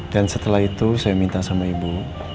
setelah itu saya minta sama ibu